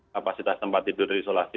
kapasitas tempat tidur isolasi